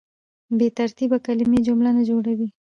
بې ترتیبه کلیمې جمله نه جوړوي.